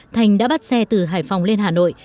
thành đã bắt xe từ hải phòng lên hà nội